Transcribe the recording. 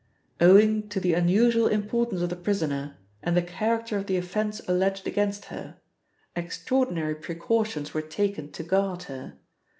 'Owing to the unusual importance of the prisoner, and the character of the offence alleged against her, extraordinary precautions were taken to guard her.